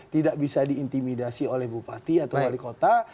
tidak bisa diintimidasi oleh bupati atau wali kota